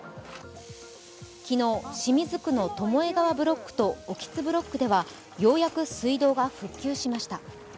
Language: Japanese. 昨日、清水区の巴川ブロックと興津ブロックではようやく水道が復旧しました。